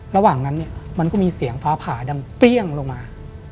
ระหว่างนั้นเนี่ยมันก็มีเสียงฟ้าผ่าดังเปรี้ยงลงมา